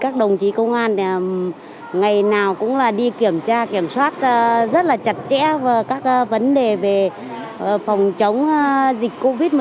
công an ngày nào cũng đi kiểm soát rất là chặt chẽ các vấn đề về phòng chống dịch covid một mươi chín